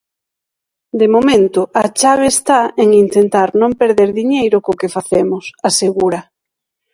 De momento, a chave está en "intentar non perder diñeiro co que facemos", asegura.